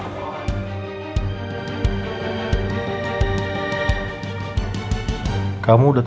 silahkan setuju deh nanti